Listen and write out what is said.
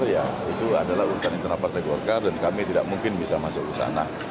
ya itu adalah urusan internal partai golkar dan kami tidak mungkin bisa masuk ke sana